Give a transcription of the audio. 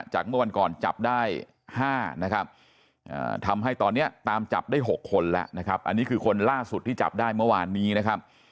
เมื่อวันก่อนจับได้๕นะครับทำให้ตอนนี้ตามจับได้๖คนแล้วนะครับอันนี้คือคนล่าสุดที่จับได้เมื่อวานนี้นะครับ